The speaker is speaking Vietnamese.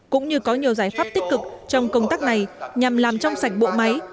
cũng như có nhiều giải pháp tích cực trong công tác này nhằm làm trong sạch bộ máy